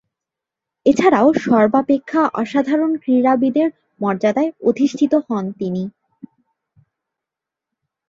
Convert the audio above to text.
এছাড়াও সর্বাপেক্ষা অসাধারণ ক্রীড়াবিদের মর্যাদায় অধিষ্ঠিত হন তিনি।